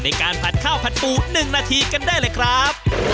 การผัดข้าวผัดปู๑นาทีกันได้เลยครับ